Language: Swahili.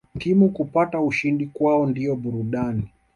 Timu kupata ushindi kwao ndio burudani